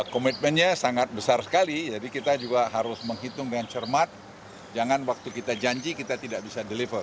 komitmennya sangat besar sekali jadi kita juga harus menghitung dengan cermat jangan waktu kita janji kita tidak bisa deliver